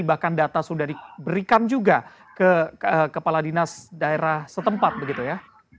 bahkan data sudah diberikan juga ke kepala dinas daerah setempat begitu ya